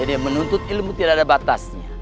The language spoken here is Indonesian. jadi menuntut ilmu tidak ada batasnya